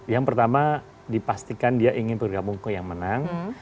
yang pertama dipastikan dia ingin bergabung ke yang menang